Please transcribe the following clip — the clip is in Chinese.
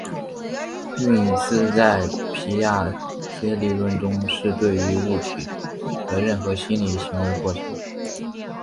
运思在皮亚杰理论中是对于物体的任何心理行为过程。